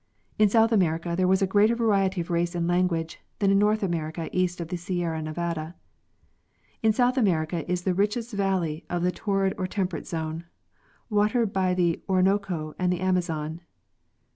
In South America there was a greater variety of race and language than in North America east of the Sierra Nevada. In South America is the richest valley of the torrid or tem perate zone, watered by the Orinoco and the Amazon.